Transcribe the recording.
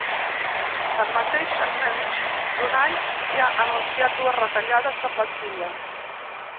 Tanmateix, en menys d’un any ja ha anunciat dues retallades de plantilla.